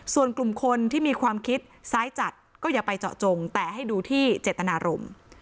ส่วนกลุ่มคนที่มีความคิดซ้ายจัดก็อย่าไปเจาะจงแต่ให้ดูที่เจตนารมณ์